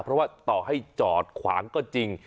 เพราะว่าต่อให้จอดขวางก็จริง